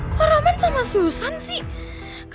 kok raman sama susan sih